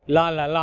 lo là lo